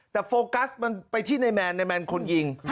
แต่โฟกัสมันไปที่ในแมนในแมนคนยิง